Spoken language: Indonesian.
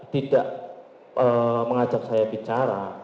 tidak mengajak saya bicara